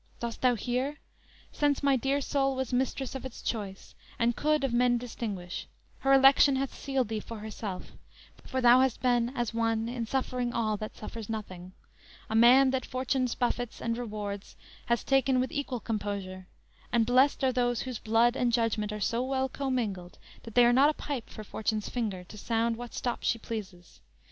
Dost thou hear? Since my dear soul was mistress of its choice And could of men distinguish, her election Hath sealed thee for herself; for thou hast been As one, in suffering all, that suffers nothing; A man that fortune's buffets and rewards Hast taken with equal composure; and blest are those Whose blood and judgment are so well commingled That they are not a pipe for fortune's finger To sound what stop she pleases.